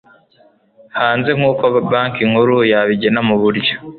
hanze nk uko Banki Nkuru yabigena mu buryo